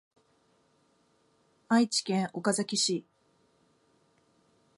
愛知県岡崎市